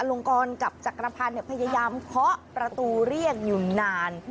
ลงกรกับจักรพันธ์พยายามเคาะประตูเรียกอยู่นาน